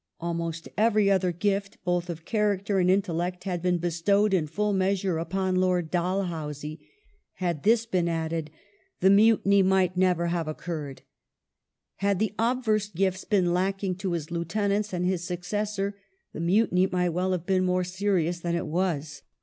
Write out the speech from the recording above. Al most every other gift, both of character and intellect, had been bestowed in full measure upon Lord Dalhousie ; had this been added, the Mutiny might never have occurred. Had the obverse gifts been lacking to his lieutenants and his successor the Mutiny might well have been more serious than it was.